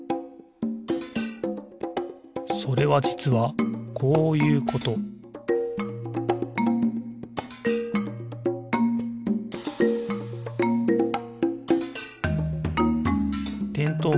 それはじつはこういうことてんとう